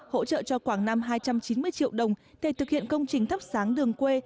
hỗ trợ cho quảng nam hai trăm chín mươi triệu đồng để thực hiện công trình thắp sáng đường quê